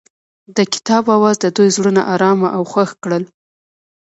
د کتاب اواز د دوی زړونه ارامه او خوښ کړل.